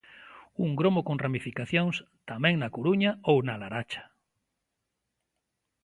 Un gromo con ramificacións tamén na Coruña ou na Laracha.